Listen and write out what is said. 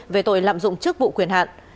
về tội lạm dụng chức vụ quyền hạn